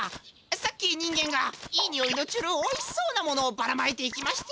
さっき人間がいいにおいのチュるおいしそうなものをばらまいていきまして。